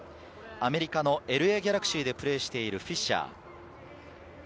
アメリカのＬＡギャラクシーでプレーしているフィッシャー。